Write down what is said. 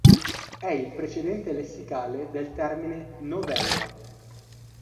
È il precedente lessicale del termine "novella".